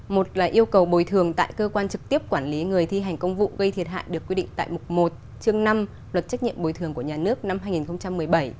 một là yêu cầu bồi thường tại cơ quan trực tiếp quản lý người thi hành công vụ gây thiệt hại được quy định tại mục một chương năm luật trách nhiệm bồi thường của nhà nước năm hai nghìn một mươi bảy